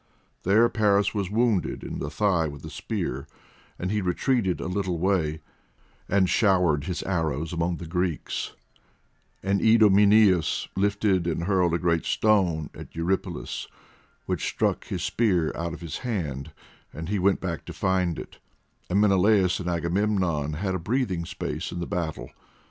There Paris was wounded in the thigh with a spear, and he retreated a little way, and showered his arrows among the Greeks; and Idomeneus lifted and hurled a great stone at Eurypylus which struck his spear out of his hand, and he went back to find it, and Menelaus and Agamemnon had a breathing space in the battle.